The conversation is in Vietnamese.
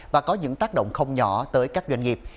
và có những tác động không nhỏ tới các doanh nghiệp